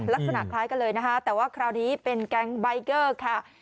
ลักษณะคล้ายกันเลยนะคะแต่ว่าคราวนี้เป็นแก๊งใบเกอร์ค่ะ